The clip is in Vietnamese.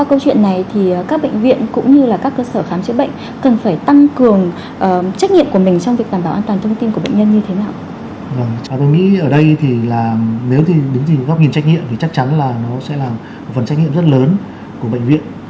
ở đây nếu đứng trên góc nhìn trách nhiệm chắc chắn là nó sẽ là phần trách nhiệm rất lớn của bệnh viện